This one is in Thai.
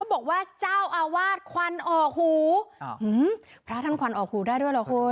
บอกว่าเจ้าอาวาสควันออกหูพระท่านควันออกหูได้ด้วยเหรอคุณ